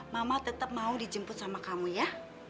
mama tetap mau dijemput sama kamu ya